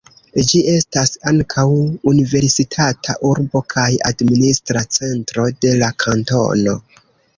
Ĝi estas ankaŭ universitata urbo kaj administra centro de la kantono.